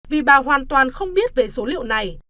vì bà hoàn toàn không biết về số liệu này